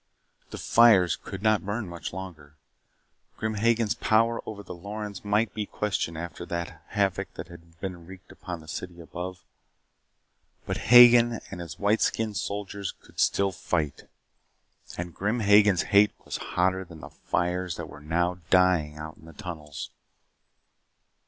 The fires could not burn much longer. Grim Hagen's power over the Lorens might be questioned after the havoc that had been wreaked in the city above. But Hagen and his white skinned soldiers could still fight. And Grim Hagen's hate was hotter than the fires that were now dying out in the tunnels.